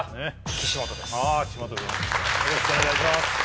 岸本くんよろしくお願いします